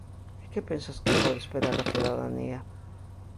E que pensas que pode esperar a cidadanía?